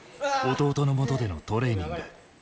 弟のもとでのトレーニング。